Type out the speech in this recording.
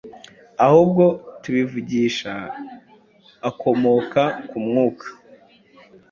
ahubwo tubivugisha akomoka ku Mwuka,